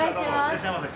いらっしゃいませ。